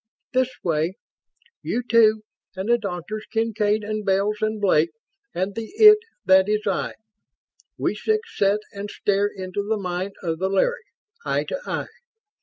"This way. You two, and the Doctors Kincaid and Bells and Blake and the it that is I. We six sit and stare into the mind of the Larry, eye to eye.